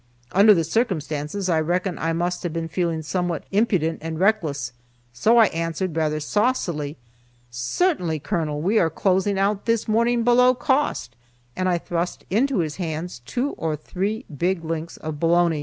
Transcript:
Under the circumstances, I reckon I must have been feeling somewhat impudent and reckless, so I answered rather saucily, "Certainly, Colonel, we are closing out this morning below cost;" and I thrust into his hands two or three big links of bologna.